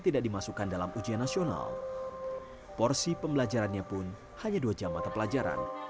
tidak dimasukkan dalam ujian nasional porsi pembelajarannya pun hanya dua jam mata pelajaran